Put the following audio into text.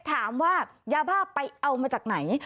ถามว่ายาบ้าไปเอามาจากไหน